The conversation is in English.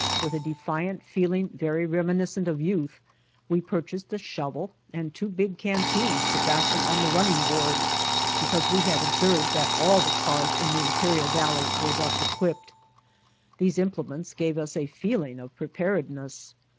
With a defiant feeling very reminiscent of youth we purchased a shovel and two big canteens to fasten on the running board because we had observed that all the cars in the Imperial Valley were thus equipped. These implements gave us a feeling of preparedness.